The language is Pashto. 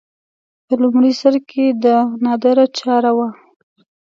په لومړي سر کې دا نادره چاره وه